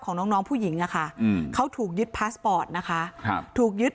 ของน้องน้องผู้หญิงอ่ะค่ะอืมเขาถูกยึดนะคะครับถูกยึด